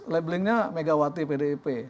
labelingnya megawati pdp